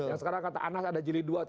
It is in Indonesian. yang sekarang kata anas ada jilid dua